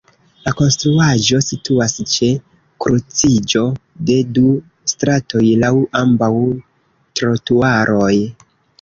La konstruaĵo situas ĉe kruciĝo de du stratoj laŭ ambaŭ trotuaroj.